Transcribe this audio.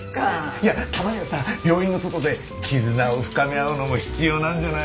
いやたまにはさ病院の外で絆を深め合うのも必要なんじゃない？